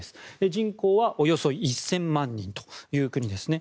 人口はおよそ１０００万人という国ですね。